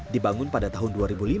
dibangun pada tahun dua ribu lima